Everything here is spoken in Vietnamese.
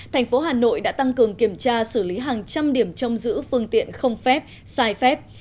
tp hcm đã tăng cường kiểm tra xử lý hàng trăm điểm trông giữ phương tiện không phép sai phép